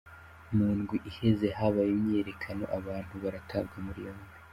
Mu ndwi iheze habaye imyiyerekano abantu baratabwa muri yompi.